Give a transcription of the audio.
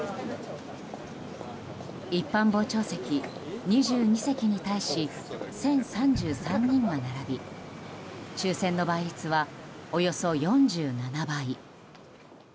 一般傍聴席２２席に対し１０３３人が並び抽選の倍率は、およそ４７倍。